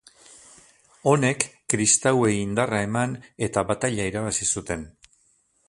Honek kristauei indarra eman eta bataila irabazi zuten.